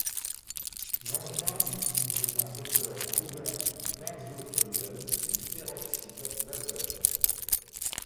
L'engin utilisait un moteur brûlant du benzotoluène et du peroxyde d'azote.